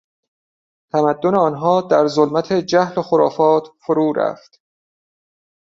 تمدن آنها در ظلمت جهل و خرافات فرو رفت.